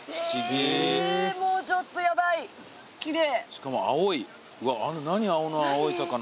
しかも青い何あの青い魚。